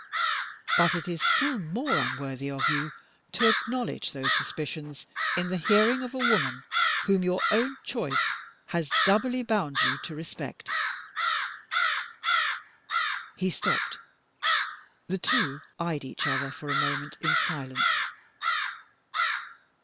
But it is still more unworthy of you to acknowledge those suspicions in the hearing of a woman whom your own choice has doubly bound you to respect." He stopped. The two eyed each other for a moment in silence.